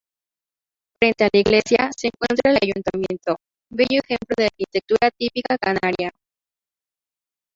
Frente a la iglesia, se encuentra el ayuntamiento, bello ejemplo de arquitectura típica canaria.